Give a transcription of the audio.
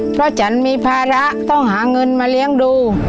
เพราะฉันมีภาระต้องหาเงินมาเลี้ยงดู